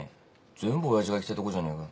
全部親父が行きたいとこじゃねえか。